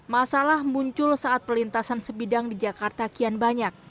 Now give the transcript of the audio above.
masalah muncul saat perlintasan sebidang di jakarta kian banyak